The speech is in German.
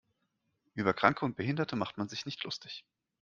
Über Kranke und Behinderte macht man sich nicht lustig.